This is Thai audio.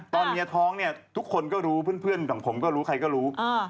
ตอนเมียท้องเนี่ยทุกคนก็รู้เพื่อนของผมก็รู้ใครก็รู้